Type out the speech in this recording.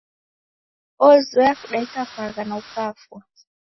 Oozoya kudaika pagha na ukafwa